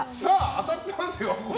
当たってますよ。